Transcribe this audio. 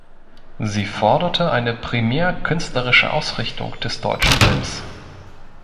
Sie forderte eine primär künstlerische Ausrichtung des deutschen Films.